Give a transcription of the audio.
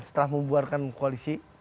setelah membuarkan koalisi